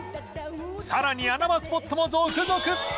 さらに穴場スポットも続々！